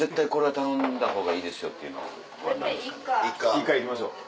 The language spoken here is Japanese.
イカ行きましょう。